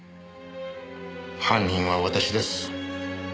犯人は私です。